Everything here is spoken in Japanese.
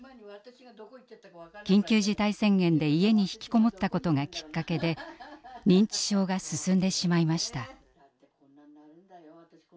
緊急事態宣言で家に引きこもったことがきっかけで認知症が進んでしまいました。